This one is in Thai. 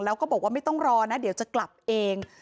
แล้วก็บอกว่าไม่ต้องรอนะเดี๋ยวจะกลับเอง